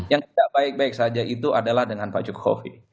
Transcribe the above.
yang tidak baik baik saja itu adalah dengan pak jokowi